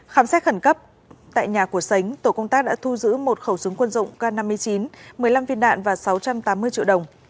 khám xét khẩn cấp tại nhà của sánh tổ công tác đã thu giữ một khẩu súng quân dụng k năm mươi chín một mươi năm viên đạn và sáu trăm tám mươi triệu đồng